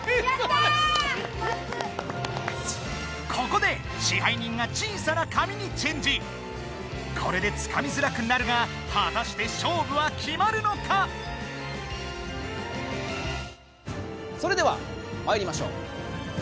ここでこれでつかみづらくなるがはたして勝負は決まるのか⁉それではまいりましょう。